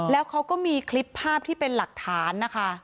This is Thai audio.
แล้วเขาก็มีคลิปภาพที่เป็นหลักฐานนะคะ